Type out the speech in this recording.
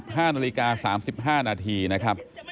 ๑๕นาฬิกา๓๕นาทีนะครับ